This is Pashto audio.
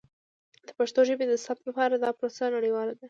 د پښتو ژبې د ثبت لپاره دا پروسه نړیواله ده.